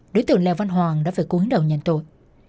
đối tượng lê văn hoàng đã phải cúi đầu nhận tội